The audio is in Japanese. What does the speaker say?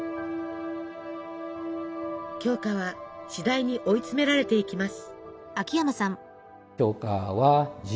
鏡花はしだいに追い詰められていきます。